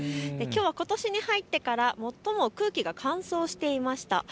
きょうはことしに入ってから最も空気が乾燥していました。